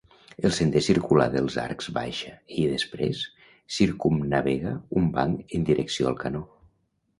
El sender circular dels arcs baixa i, després, circumnavega un banc en direcció al canó.